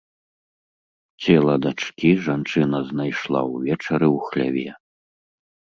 Цела дачкі жанчына знайшла ўвечары ў хляве.